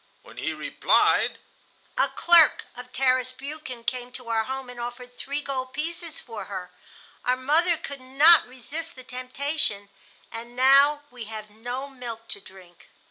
when he replied, 'A clerk of Tarras Briukhan came to our home and offered three gold pieces for her. Our mother could not resist the temptation, and now we have no milk to drink.